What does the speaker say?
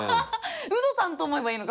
ウドさんと思えばいいのか！